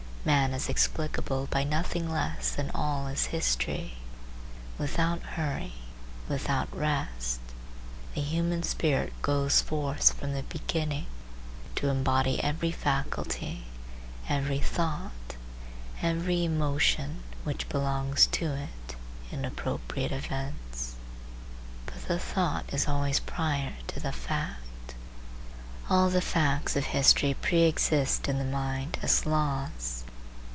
Man is explicable by nothing less than all his history. Without hurry, without rest, the human spirit goes forth from the beginning to embody every faculty, every thought, every emotion, which belongs to it, in appropriate events. But the thought is always prior to the fact; all the facts of history preexist in the mind as laws.